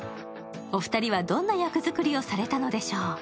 お二人はどんな役作りをされたのでしょう？